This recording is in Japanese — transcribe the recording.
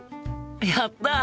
やった！